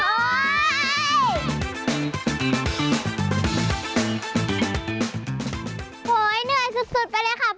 โอ๊ยเหนื่อยสุดไปเลยค่ะพ่อ